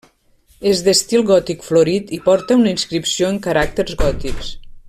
És d'estil gòtic florit i porta una inscripció en caràcters gòtics.